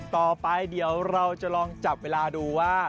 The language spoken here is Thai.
ต่อไปเดี๋ยวเราจะลองจับเวลาดูว่า